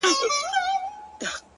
اې ه څنګه دي کتاب له مخه ليري کړم،